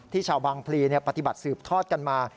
ชาวบางพลีปฏิบัติสืบทอดกันมา